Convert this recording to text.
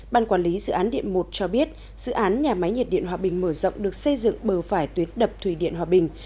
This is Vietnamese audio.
ban quản lý dự án điện một cho biết dự án nhà máy nhiệt điện hòa bình mở rộng được xây dựng bờ phải tuyến đập thủy điện hòa bình